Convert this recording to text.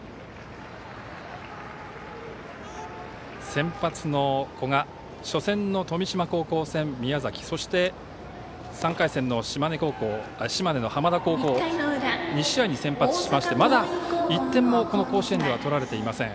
先発の古賀初戦の富島高校戦宮崎そして３回戦の島根の浜田高校２試合に先発しましてまだ１点もこの甲子園ではとられていません。